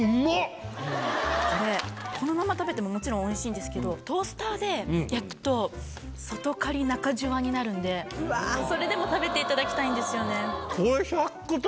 これこのまま食べてももちろんおいしいんですけどトースターで焼くと外カリ中ジュワになるんでそれでも食べていただきたいんですよね。